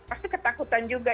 pasti ketakutan juga